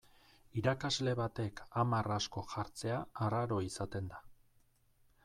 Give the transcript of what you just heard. Irakasle batek hamar asko jartzea arraro izaten da.